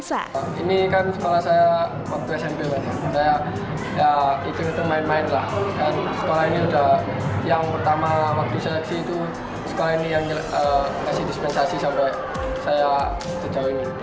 yang mengharumkan nama bangsa